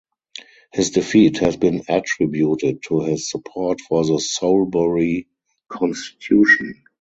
His defeat has been attributed to his support for the Soulbury Constitution.